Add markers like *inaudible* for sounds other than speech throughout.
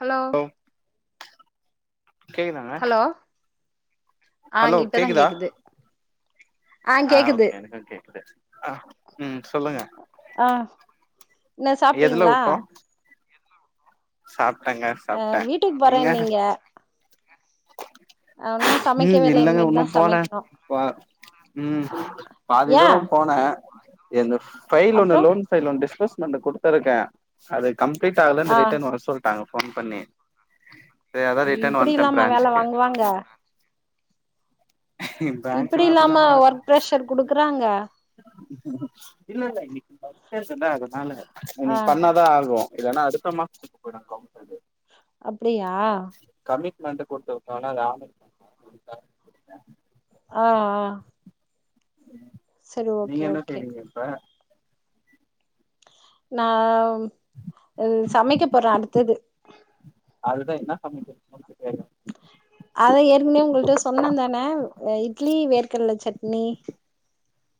Hello கேக்குதாங்க hello ஆ hello இப்பதா கேக்குதா கேக்குது ஆ ஆஹ் கேக்குது ஒகே எனக்கு கேக்குது அஹ் உம் சொல்லுங்க ஆ என்ன எதுல சாப்ட்டீங்களா உட்டோ சாப்டங்க அ சாப்ட வீட்டுக்கு நீங்க போறேன்னீங்க இன்னு ம் சமைக்கவே இல்ல இல்லங்க இனிமேட்டு உன்னோ தா போல சமைக்கணு வா உம் பாதி ஏ துரோ போன எந்து ஃபைல் ஒன்னு அப்றோ லோன் ஃபைல் ஒன்னு டிஸ்போர்ஸ்மெண்ட்ட குடுத்திருக்கே அது கம்ளீட் ஆகலனு ஆ ரிட் கூட்டாங்க போன் பண்ணி சே அதா ரிடன் இப்டி வண்ட இல்லாம வேல ப்ராஞ்சுக்கு வாங்குவாங்க இப்டி பேங்குனா இல்லாம அப்டிதாங்க இருக்கோ ஒர்க் ப்ரெஷர் குடுக்குறாங்க இல்ல இல்ல இனி பேசுன்ன அதனால நீ ஆ பண்ணாதா ஆகோ இல்லனா அடுத்தமா மாசோ ட்டு போய்டு கவுன்சலு அப்டியா *unintelligible* குடுத்துவுட்டோன அங்க *inaudible* ஆஹ் ஆஹ் சரி நீங்க ஓகே என்ன ஓகே செய்றீங்க இப்ப நாவ்ம் சமைக்க போற அடுத்தது அதுதா ன்ன சமைக்கனுட்டு கேகற அதா ஏற்கனே உங்கள்ட்ட சொன்ன தான இட்லி வேர்கடல சட்னி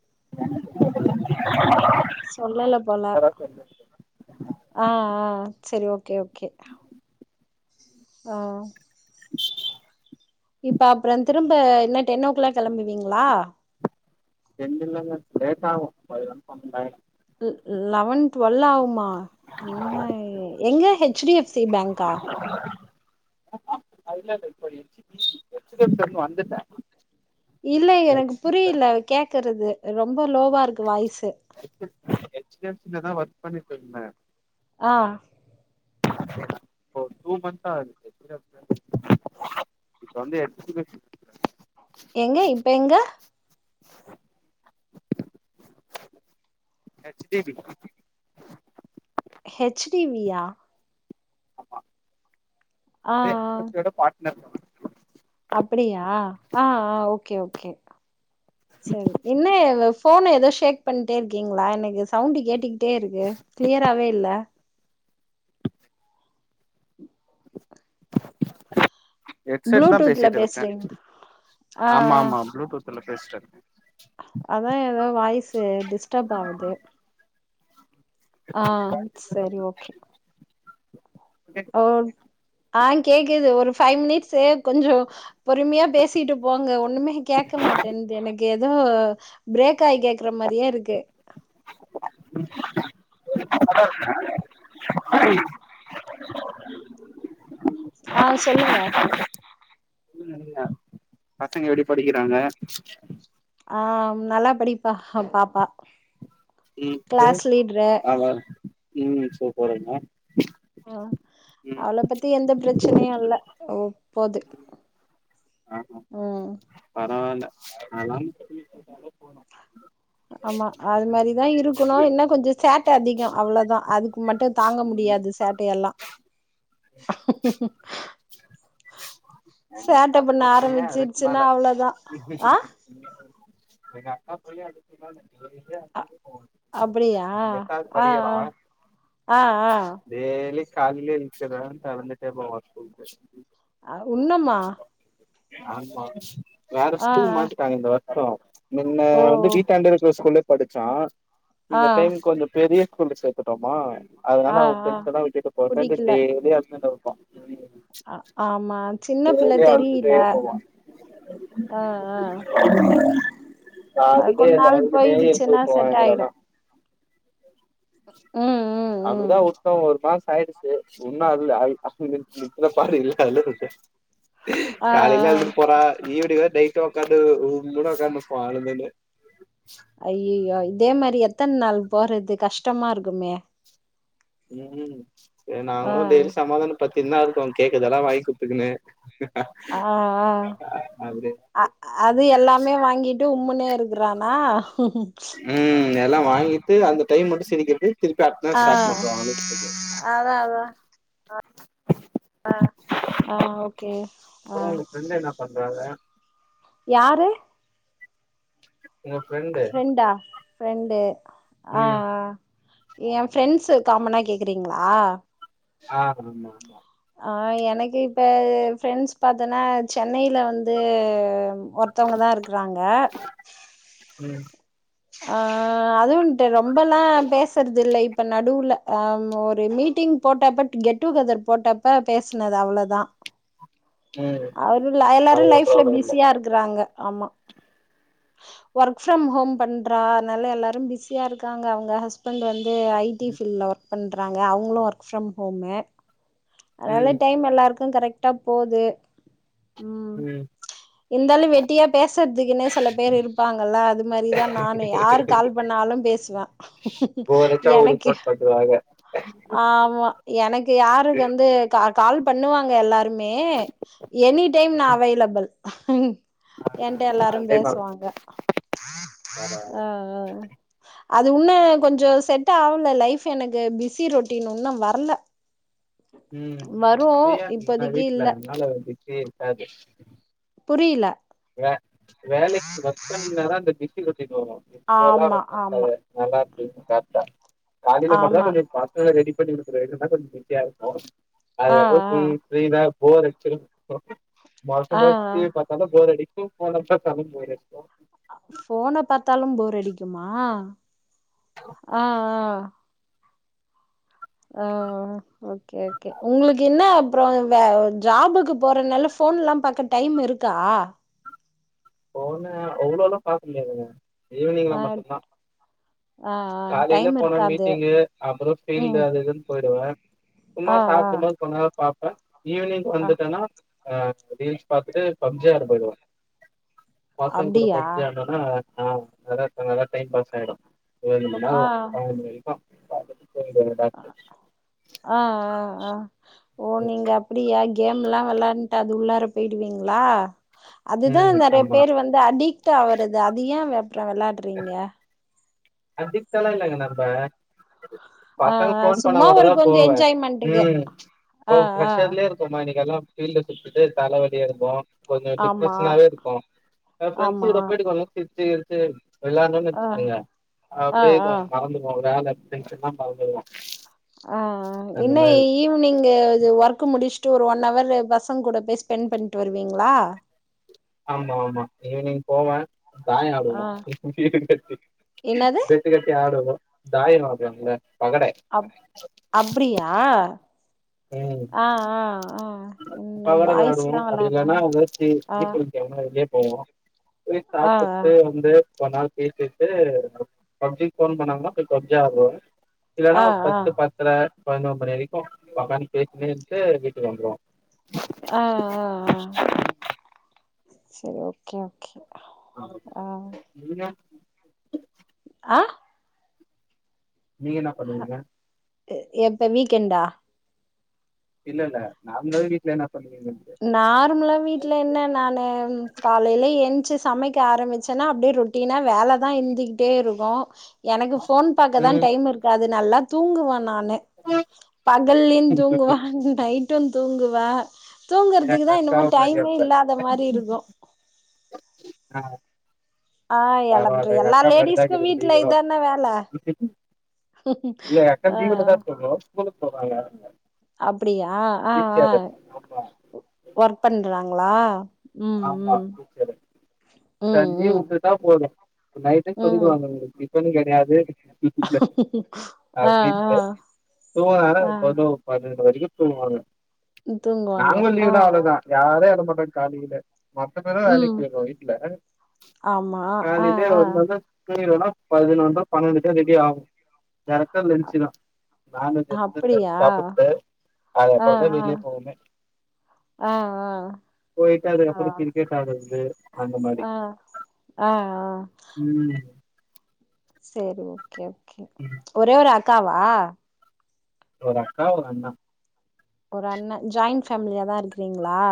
*inaudible* சொல்லல போல சின்னதா சொல்லு ஆஹ் ஆஹ் சரி ஓகே ஓகே ஆ இப்ப அப்புறோ திரும்ப இன்ன டென் ஓ கிளாக் கிளம்புவீங்ளா டென் இல்லங்க லேட் ஆவோ பதினொன் பன்னென்டாயிடு லெவன் டுவெல் ஆவுமா ன்ன எங்க ஹெச் டி எஃப் சி பேங்கா *inaudible* இல்ல இல்ல இப்ப H D C H D F C லந்து வந்துட்ட இல்ல எனக்கு புரில கேக்கறது ரொம்ப லோவா இருக் *inaudible* ஹெச் டி எஃப் சிலதா ஒர்க் பண்ணிட்டு இருந்த ஆஹ் *inaudible* இப்போ டூ மந்தாவ்து எப்டிடா *inaudible* இப்ப வந்து *inaudible* எங்க இப்ப எங்க H D V H D வியா ஆ அது ஹெச் டி ஆ எஃப் சி யோட பாட்னர் கம்பெனி அப்படியா ஆஹ் ஆஹ் ஓகே ஓகே சரி என்ன எதோ போன ஏதோ ஷேக் பண்ணிட்டே இருக்கீங்களா எனக்கு சவுண்ட் கேட்டுக்கிட்டே இருகு கிளியராவே இல்ல *inaudible* ஹெட்செட்தா ப்ளூடூத்ல பேசிட்ருக்க பேசுறீங்க ஆ ஆமா ஆ ஆமா ப்ளூடூத்ல பேசிட்ருக்க அதா ஏதோ வாய்ஸு டிஸ்டர்ப் ஆவுது ஆ சரி ஓகே கேக்குதா ஆம் ஆ கேக்குது ஒரு ஃபைவ் மினிட்ஸு கொஞ்ச பொறுமையா பேசிட்டு போங்க ஒன்னுமே கேக் க்க மாட்டேன்து எனக்கு ஏதோ பிரேக் ஆயி கேக்குற மாரியே இருக்கு *inaudible* ஆ சொல்லுங்க பசங்க எப்டி படிக்கிறாங்க ஆ நல்லா படிப்பாஹ பாப்பா ம் சரி கிளாஸ் லீட்ரு ஆமா ம் சூப்பருங்க ஆ ம் அவள பத்தி எந்த பிரச்சனையு இல்ல ஒ போது ஆஹ ம் பரவாயில்ல அதா *inaudible* இருந்தாலே போது ஆமா அது மாரிதா இருக்கணு என்ன கொஞ்ச சேட்ட அதிக அவ்ளோதா அதுக்கு மட்டு தாங்க முடி முடியாது சேட்டையெல்லா *inaudible* ட்ட பண்ண பைய அதுக்கு ஆரம்பிச்சிருச்சுன்னா மேல அவ்வளோதா ஆ எங்க அக்கா பைய அதுக்கு மேல அ அப்டியா *inaudible* எட்டாது ஆ படிக்கிறா ஆ ஆ ஆ டெய்லி காலைலே வச்சதா தெறந்துட்டே போவா ஸ்கூலுக்கு ஆ உன்னுமா ஆமா வேற ஸ்கூல் ஆ மாத்திட்டாங்க இந்த வர்ஷ முன்ன ஓ ஓ வந்து வீட்டாண்ட இருக்க ஸ்கூல்லயே படிச்சா ஆ இந்த டைம் கொஞ்ச பெரிய ஸ்கூல்ல சேத்துட்டோமா அதனால ஆ அவ ஆ ஃபிரண்ட்ஸல்லா விட்டுட்டு போயிட்டானு டெய்லி அழுதுன்னுருக் ஆ ஆமா சின்னப்பிள்ள டெய்லி தெரியில அழுதுட்டே போவா ஆ ஆ அது பாத்துட்டே கொஞ் இல்ல நாள் அழுதுன்னே இருக்க போயிடுச்சுன்னா வப்பா செட் ஆயிடு எங்களெல்லா ம் ம் ம் அப்டிதா உட்டோ ஒரு மாச ஆயிடுச்சு உன்னும் அதுல ஆயி *unintelligible* பாடு இல்ல அதுல ஆ ஆ காலையில அழுதுட்டு போறா ஈவினிங் வேற டெய் ட்ட உக்காந்து உம்முன்னு உக்காந்துருப்பா அழுதுன்னு ஐய்யய்யோ இதே மாரி எத்தன நாள் போறது கஷ்டமா இருக்குமே ம் சேரி ஆ நாங்களு டெய்லி சமாதானப்பத்தின்னுதா இருக்கோ கேக்கதெல்லா வாங்கி குத்துக்குனு ஆ அப்டி ஆ அ அது எல்லாமே வாங்கிட்டு உம்முன்னே இருக்குறானா ம் எல்லா வாங்கிட்டு அந்த டைம் மட்டு சிரிக்கிறது திருப்பி அடுத்த நாள் ஸ்டார்ட் ஆ பண்ணுவா அழுகுறத ஆ ஆ ஓகே ஆ அப்புற உங்க ஃப்ரெண்டு என்ன பண்றாங்க யாரு உங்க ஃப்ரெண்டு பிரண்டு ஆ ஆ ம் ஏ ஃப்ரெண்ட்ஸு காமனா கேக்குறீங்களா ஆ ஆமாமா ஆ எனக்கு இப்ப ஃபிரெண்ட்ஸ் பாத்தோன்னா சென்னைல வந்து ஒருத்தவங்கதா இருக்குறாங்க ம் ஆ அதுவுன்ட்டு ரொம்பெல்லா பேசுறதுல்ல இப்ப நடுவுல ஆமா ஒரு மீட்டிங் போட்டப்ப கெட் டு கெதர் போட்டப்ப பேசுனது அவ்ளோதா ம் அவரு எல்லாரு அதுக்கப்றோ லைஃப்ல அவ இல்ல பிஸியா இருக்குறாங்க ஆமா ஒர்க் ஃபிரம் ஹோம் பண்றா அதனால எல்லாரு பிஸியா இருக்காங்க அவுங்க ஹஸ்பண்ட் வந் து ஐ டி ஃபீல்ட்ல ஒர்க் பண்றாங்க அவுங்களு ஒர்க் ஃப்ரம் ஹோமு அதால ம் டைம் எல்லாருக்கு கரெக்டா போது ம் இருந்தாலு வெட்டியா பேசுற்துக்குன்னே செல பேர் இருப்பாங்கல்ல அது மாரிதா நானு யாரு கால் பண்ணா ணாலு பேசுவ போரடிச்சா ஒரு எனக்கு *unintelligible* ஆமா எனக்கு யாரு கு வந்து கா கால் பண்ணுவாங்க எல்லாருமே எனி டைம் நா அவைளபிள் ஏன்ட்ட எல்லாரு ஆல் டைம் ஆகும் பேசுவாங்க பரவால்ல ஆ அ அது உன்னோ கொஞ்சோ செட் ஆவல லைஃப் எனக்கு பிஸி ரொட்டின் உன்னு வர்ல ம் பிரியாருங்கிங்கல்ல வீட்ல இல்ல அதனால உங்களுக் *unintelligible* இருக்காது புரியல வே வேலைக்கு ஒர்க் பண்ணீங்கனாதா அந்த பிஸி ஒ ஸினு வரு இப்போல்லா *inaudible* ஆமா ஆமா நல்லாருக் ம் சாப்டே காலையில மட்டுந்தா ஆமா கொஞ்சொ பசங்கள ரெடி பண்ணி அனுப்பர வரைக்குந்தா கொஞ்சோ பிஸியா இருக்கு ஆ அதுகப்பறோ ஆ ஃப்ரீ ஃப்ரீதா போர் அடுச்சிரு ஆ ஆ *unintelligible* பாத்தாலு போரடிக்கும் ஃபோன பாத்தாலும் போரடிக்கு ஃபோன பாத்தாலு போர் அடிக்குமாஹ் அ ஆ ஆ ஓகே ஓகே உங்களுக்கு என்னா அப்றோ வே ஜாபுக்கு போறனால ஃபோ ஃபோன்லா பாக்க டைம் இருக்கா? ஃபோன அவ்ளோல்லா பாக்க முடியாதுங்க ஈவினிங்ல ஆ மட்டுந்தா ஆ ஆ காலைல டைம் போனா இருக்காது மீட்டிங்கு அப்புறொ ஃபீல்டு ம் அது இதுன்னு பொயிருவே சும்மா ஆ ஆ சாப்டும்போது கொஞ் நேரோ பாப்பே ஈவினிங் ஆ வந்துட்டன்னா அ ரீல்ஸ் பாத்துட்டு பப்ஜியாட போயிடுவ பசங்க கூட அப்டியா பப்ஜி ஆடுனனா ஆ நல்லா நல்லா டைம் பாஸ் ஆயிடு வேணுமானா *unintelligible* ஆ வரைக்கு சரிடா இருடான்டாரு ஆ ஆ ஆ ஓ நீங்க அப்டியா கேம்முல்லா வெளாண்ட்டு அது உள்ளார பெயிடுவீங்களா? அதுதா ம் நெறைய ஆமா. பேர் வந்து அடிக்ட் ஆவறது அது ஏ வெப்ற வெளாடுறீங்க அடிக்ட்டல்லா இல்லங்க நம்ப ஆ பசங்க ஆ ஃபோன் பண்ணா சும்மா ஒரு மட்டுந்தா கொஞ்சோ போவ என்ஜாய்மெண்ட்டுக்கு ம் இப்போ ஆ ஆ ஃபரெஷர்லயே இருக்கோமா இன்னைக்கெல்லா ஃபீல்ட சுத்திட்டு தல வலியா இருந்தோ கொஞ்சோ ஆமா டிப்ரெஷனாவே இருக்கு அ ஆமா ஃப்ரெண்ட்ஸ்ங்களோட போயிட்டு கொஞ்ச நேரோ சிரிச்சிகிரிச்சு விளாண்டன்னு ஆ வச்சுக்கோங்க ஆ அப்டியே ஆ *inaudible* மறந்துருவோ விளாண்டு டென்ஷன்ல்லா மறந்துடுவோ ஆ அ இன்னு ஈ ஈவ்னிங் இது ஒர்க் முடிச் ட்டு ஒரு ஒன் ஹவரு பசங் கூட போய் ஸ்பெண்ட் பண்ட்டு வருவீங்ளா ஆமா ஆமா ஈவ்னிங் போவே தாயோ ஆ ஆடுவோ *inaudible* என்னது பெட்டு கட்டி ஆடுவோ தாயம் ஆடுவாங்கல்ல பகடை அப் அப்டியா ஆ ஆ அ அப்பாவோட வெளாடுவோ அப்டி இல்லேன்னா ஆ *unintelligible* போடுவோ போய் ஆ சாப்புட்டு வந்து கொந் நேரோ பேசிட்டு பப்ஜிக் ஃபோன் பண்ணாங்கன்னா போய் பப்ஜி ஆடுவே இல்லன்னா ஆ ஆ ஒரு ஆ பத்து பத்தரை பதினொரு மணி வரைக்கு வொக்கான்னு பேசினே இருன்ட்டு வீட்டுக்கு வந்துருவோ ஆ அ அ சரி ஓகே ஓகே ஆ *inaudible* நீங்க ஆ நீங்க என்னா பண்ணுவீங்க எப்ப வீக்கென்டா? இல்ல இல்ல நார்மலாவே வீட்ல என்னாப் நார்மலா வீட்டுல என்ன நானு காலையில என்ச்சு சமைக்க ஆரம்பிச்சனா அப்டியே ரொட்டினா வேலதா இந்துகிட்டே இருக்கு எனக்கு போன் பக்க தா டைம் இருக்காது நல்லா தூங்குவே நான் னு பகல்லியு ம் தூங்குவா நைட்டு தூங்குவா எங்க தூங்குறதுக்குதா என்னமோ அக்காவ மாரி டைமே அப்ப இல்லாத மாரி இருக்கு ஆ ஆ எல பரவால்ல எங்க எல்லா அக்கா மாரி தா லேடிஸ்க்கு இருக்கீங்க வீட்ல நீங்களு இதான வேல இல்ல எங்க அக்கா லீவுல தா ஆ தூங்கு ஸ்கூலுக்கு போறாங்க அவுங்க அப்டியா ஆஹ் ஆஹ் ஆமா ஒர்க் பண்றாங்களா ம் ஆமா ம் டீச்சரு ம் லீவு ம் வுட்டுட்டா தா போதும் நைட்டே ம் சொல்லிடுவாங்க உங்களுக்கு டிஃபன் கெடையாது இல்ல ஆ ஆ அப்டின்டு தூங்குனான ஆ பதினோரு பண்ணன்டு மணிக் தூங்குவாங்க தூங்குவாங்க நாங்களு ஆ லீவுனா அவ்ளோதா யாரு எழமாட்டோம் காலையில மொத்த பேரு ம் வேலைக்கு போயிடுவோ வீட்ல ஆமா ஆ காலையிலயே ஆ வந்தோன தூங்கிருவோண பதினொன்ற பன்னெண்டு ரெடி ஆகும் டேரக்டா லஞ்ச் தா நானு ஜென்சு சேந்து அப்டியா சாப்பிட்டு அதுக்கு அப்றோ தா வெளிய போவோமே ஆஹ் ஆஹ் போயிட்டு அதுக்கப்றோ கிரிக்கெட் ஆடுறது அந்த மாரி ஆ ஆ ஆ ம் செரி ஓகே ஓகே ஒரே ஒரு அக்காவா ஒரு அக்கா ஒரு அண்ணா ஒரு அண்ணே ஜாயிண்ட் ஃபேமிலியாதா இருக்கிறீங்களா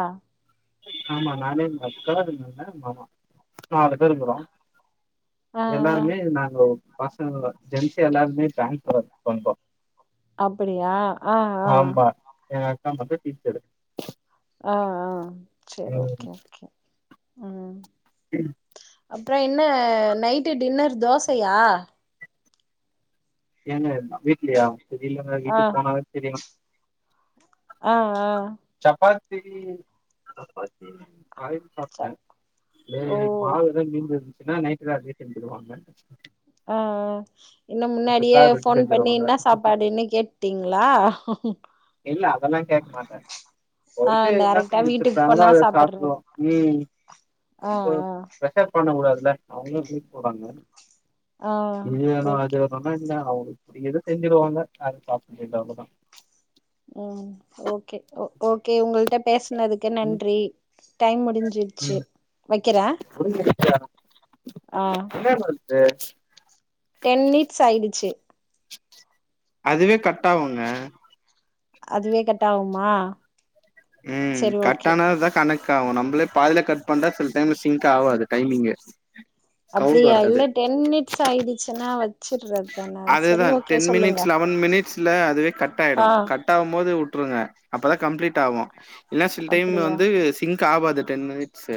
ஆமா நானு எங்க அக்கா எங்கண்ணே மாமா நாலு பேரு இருக்குறோ ஆ ஏன ஆ எ நாங்க பசங்கதா ஜென்சி எல்லாருமே பேங்க்ல ஒர்க் பண்றோ அப்டியா ஆஹ் ஆஹ் எங்க அக்கா மட்டு டீச்சர் ஆஹ் ஆஹ் செரி ஓகே ஓகே ம் ம் அப்றோ என்ன நைட்டு டின்னர் தோசையா ஏங்க எல்லா வீட்லயா தெரிலங்க வீட்டுக்கு போனா தா தெரியு ஆஹ் ஆஹ் சப்பாத்தி சப்பாத்தி காலையில சாப்டே ஓ மீதி மாவு ஏதாவது மீந்து இருந்துச்சு னா நைட்ல அதுவே செஞ்சிடுவாங்க ஆஹ் என்ன முன்னாடியே ரொட்டி போன் பண்ணி செஞ்சிருவாங்க என்ன சாப்பாடுன்னு கேட்டுடீங்களா ம் என்னன்னு கேக்க மாட்டே ஆ போயிட்டு எதுனா டேரெக்டா செஞ்சு வீட்டுக்கு வெச்சுருப்பாங்கள போனா அத சாப்டுருவ சாப்பட்றது ஆ அப்போ ஆ பிரஷர் பண்ணக்கூடாதுல்ல அவங்ளு மீட் போறாங்க ஆ இது வேணுனா அது ஓகே வேணுனுனா இந்த அவுட் இப்டி எது செஞ்சுடுவாங்க அது சாப்டு வேண்டியது அவ்ளோதா ம் ஓகே ஓகே உங்கள்ட பேசுனதுக்கு ம் நன்றி டைம் முடிஞ்சிருச்சு ம் வைக்கிறே புரிஞ்சிருச்சா ஆஹ் *inaudible* டென் மினிட்ஸ் ஆயிடுச்சு அதுவே கட் ஆகுங்க அதுவே கட்டாகுமா ம் கட்டானதா கனைக் க்காகு ஆகு நம்ளே பாதியில கட் பண்டா சில டைம்ல சிங்க் ஆகாது டைமிங்க் அப்டியா இல்ல டென் மினிட்ஸ் ஆயிடுச்சுன்னா வச்சறது அதேதா டென் மினிட்ஸ் லெவன் மினிட்ஸ்ல அதுவே கட் ஆயிடு ஆ கட் ஆகும் போது வுட் ருங்க அப்பதா கம்ப்ளீட் ஆகு இல்ல சில டைம் அப்டியா வந்து சிங்க் காவாது டென் மினிட்ஸ்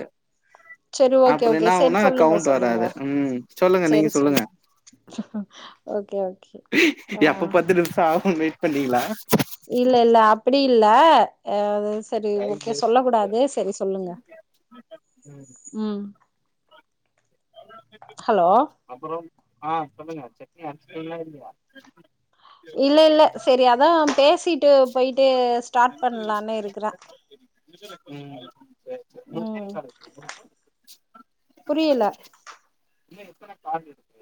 சரி ஓகே அப்றோ ஓகே சரி என்னாவுனா சொல்லுங்க கவுண்ட் சொல்லுங்க வராது ம் சொல்லுங்க நீங்க சொல்லுங்க ஹஹா எப்ப பத்து நிம்ஷ ஆவுன் வெயிட் பண்ணீங்களா இல்ல இல்ல அப்டி இல்ல சரி டைம் ஓகே வேஸ்ட் சொல்ல கூடாது சரி சொல்லுங்க ம் ம் ஹலோ அப்றம் ஆ சொல்லுங்க சட்னி அரச்சிட்டிங்லா இல்லியா இல்ல இல்ல சரி அதா பேசிட்டு டு ஸ்டார்ட் ம் பண்லானு இருக்குறே உம் ம் புரியல இன்னு எத்தன கால் இருக்கு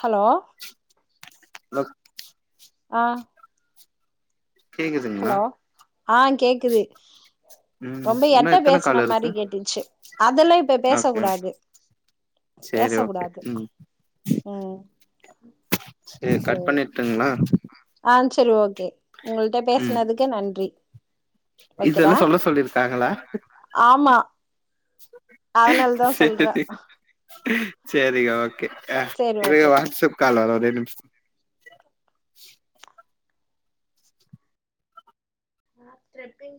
ஹலோ *unintelligible* ஆ கேக்குதுங்னா ஹலோ ஆ கேக்குது ம் ரொம்ப இன்னும் எட்ட எத்தன பேசுன கால் மாரி இருக்கு கேட்டுச்சு அதெல்லா இப்ப பேச ஓகே கூடாது பேச சரி ஓகே கூடாது ம் சேரி கட் பண்ணிட்டுங்ளா ஆ சரி ஓகே உங்கள்ட்ட பேஸ்னதுக்கு நன்றி இதெல்லா வைக்கிறே சொல்ல சொல்லிருக்காங்களா ஆமா அதனால தா சொல்றே சேரி சேரிகா ஓகே அ சரி இருங்க ஓகே வாட்ஸ்ப் கால் வரும் ஒரே நிம்ஷ ஸ் நா த்ரெட்டிங்